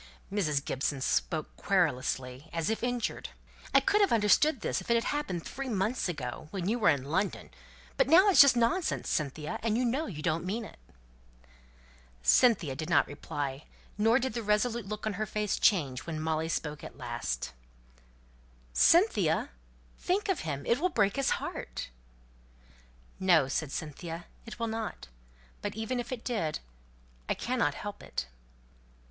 Mrs. Gibson spoke querulously, as if injured, "I could have understood this if it had happened three months ago, when you were in London; but now it's just nonsense, Cynthia, and you know you don't mean it!" Cynthia did not reply; nor did the resolute look on her face change when Molly spoke at last, "Cynthia think of him! It will break his heart!" "No!" said Cynthia, "it will not. But even if it did I cannot help it."